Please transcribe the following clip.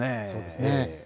そうですね。